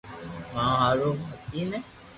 مني ھارون متي ني